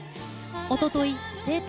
おととい生誕